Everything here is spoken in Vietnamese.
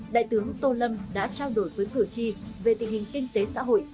đại tướng tô lâm đã trao đổi với cửa chi về tình hình kinh tế xã hội